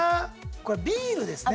これビールですね。